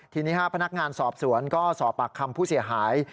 ทีนี้พนักงานสอบสวนก็สอบปากคำผู้เสียหาย